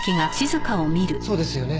そうですよね？